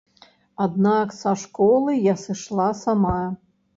Аднак са школы я сышла сама.